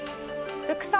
「服装」。